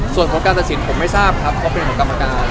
ส่วนของการตัดสินผมไม่ทราบครับเพราะเป็นของกรรมการ